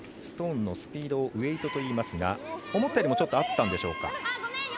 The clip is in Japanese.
ストーンのスピードをウエイトといいますが思ったよりも、ちょっとあったんでしょうか？